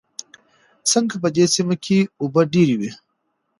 ځکه په دې سيمه کې اوبه ډېر وې.